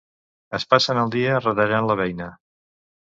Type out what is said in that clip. Es passen el dia retallant la veïna.